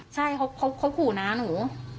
ใช่เขาผู๊นะหนู